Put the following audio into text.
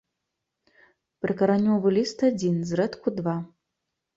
Прыкаранёвы ліст адзін, зрэдку два.